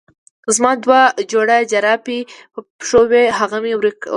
زما دوه جوړه جرابې په پښو وې هغه مې ورکړې.